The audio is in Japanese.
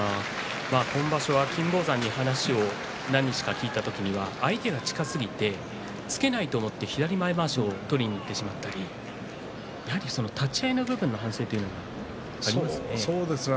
今場所は金峰山に話を何日か聞いた時は相手が近すぎて突けないと思って左前まわしを取りにいってしまったり立ち合いの部分の反省がありますね。